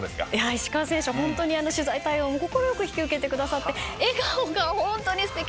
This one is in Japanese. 石川選手はホントに取材対応も快く引き受けてくださって笑顔がホントにすてきなんですよ。